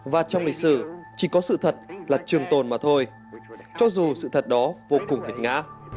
và trong lịch sử chỉ có sự thật là trường tồn mà thôi cho dù sự thật đó vô cùng việt ngã